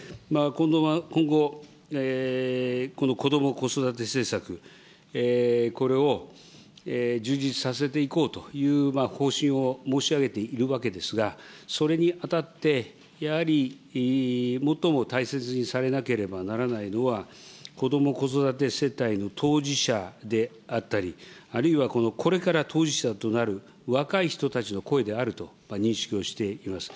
今後、このこども・子育て政策、これを充実させていこうという方針を申し上げているわけですが、それにあたって、やはり最も大切にされなければならないのは、こども・子育て世帯の当事者であったり、あるいはこのこれから当事者となる若い人たちの声であると認識をしています。